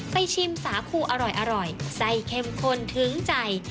ไปชิมสาคูอร่อยใส่เค็มข้นทึ้งใจ